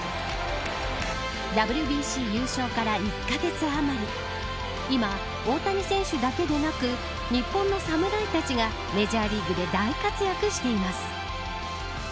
ＷＢＣ優勝から１カ月余り今、大谷選手だけでなく日本の侍たちがメジャーリーグで大活躍しています。